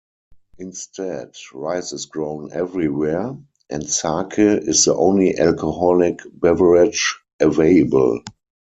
Instead, rice is grown everywhere, and sake is the only alcoholic beverage available.